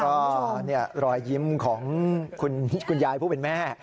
ก็รอยยิ้มของคุณยายผู้เป็นแม่